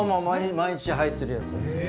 毎日入ってるやつ。